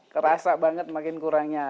terasa banget makin kurangnya